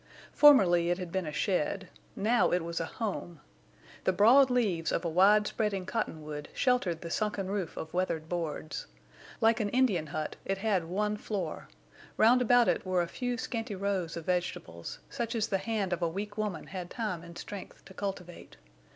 Formerly it had been a shed; now it was a home. The broad leaves of a wide spreading cottonwood sheltered the sunken roof of weathered boards. Like an Indian hut, it had one floor. Round about it were a few scanty rows of vegetables, such as the hand of a weak woman had time and strength to cultivate.